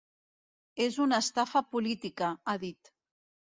És una estafa política, ha dit.